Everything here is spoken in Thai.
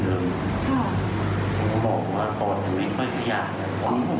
ผมก็ขอบใจนะดีใจมาก